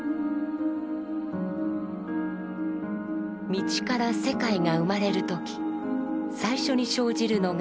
「道」から世界が生まれる時最初に生じるのが「一」。